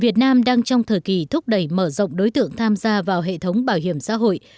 việt nam đang trong thời kỳ thúc đẩy mở rộng đối tượng tham gia vào hệ thống bảo hiểm xã hội